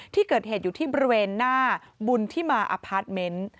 ที่เกิดเหตุอยู่ที่บริเวณหน้าบุญที่มาอพาร์ทเมนต์